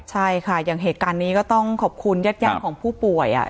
ใช่ค่ะอย่างเหตุการณ์นี้ก็ต้องขอบคุณญาติของผู้ป่วย